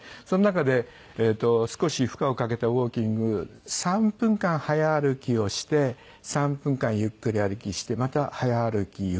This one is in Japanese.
その中で少し負荷をかけたウォーキング３分間速歩きをして３分間ゆっくり歩きしてまた速歩き